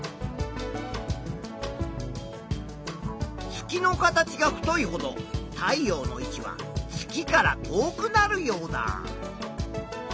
月の形が太いほど太陽の位置は月から遠くなるヨウダ。